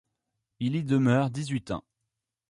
Il y demeure dix-huit ans.